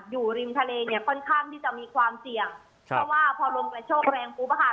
อยู่ริมทะเลเนี่ยค่อนข้างที่จะมีความเสี่ยงเพราะว่าพอลมกระโชกแรงปุ๊บอะค่ะ